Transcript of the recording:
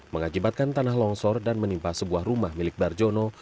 mengakibatkan tanah longsor dan menimpa sebuah rumah milik barjono